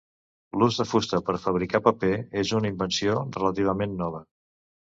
L'ús de fusta per fabricar paper és una invenció relativament nova.